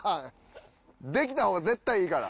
できた方が絶対いいから。